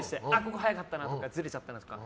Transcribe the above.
早かったなとかずれちゃったなとか。